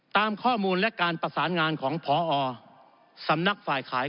ตามข้อมูลและการประสานงานของพอสำนักฝ่ายขาย